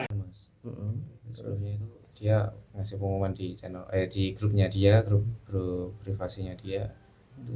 atas kasus ini dua handphone milik mah diamankan ke polisian beserta satu simcard yang digunakan berkomunikasi dengan pemilik akun asli hacker biorka